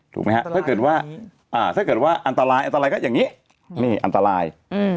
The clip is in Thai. ถ้าเกิดว่าอันตรายอันตรายก็อย่างนี้นี่อันตราย